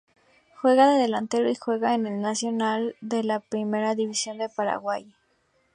Juega de delantero y juega en el Nacional en la Primera División de Paraguay.